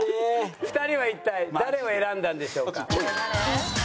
２人は一体誰を選んだんでしょうか？